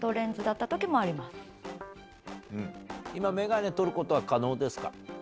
メガネ取ることは可能ですか？